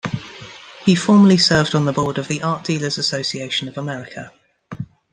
He formerly served on the board of the Art Dealers Association of America.